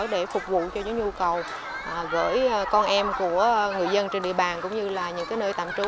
để phục vụ cho những nhu cầu gửi con em của người dân trên địa bàn cũng như là những nơi tạm trú